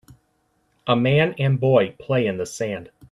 A man and boy play in the sand.